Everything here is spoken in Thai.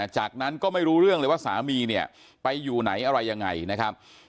จากนั้นก็ไม่รู้เรื่องเลยว่าสามีเนี่ยไปอยู่ไหนอะไรยังไงนะครับ